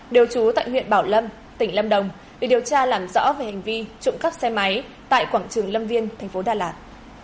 đều trú tại huyện bảo lâm tỉnh lâm đồng để điều tra làm rõ về hành vi trộm cắp xe máy tại quảng trường lâm viên tp đà lạt